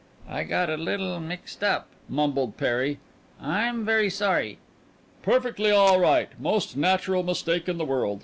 "I got a little mixed up," mumbled Perry. "I'm very sorry." "Perfectly all right; most natural mistake in the world.